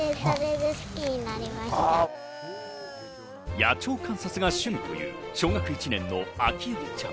野鳥観察が趣味という小学１年のあきえちゃん。